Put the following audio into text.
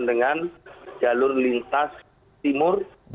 dan jalur lintas timur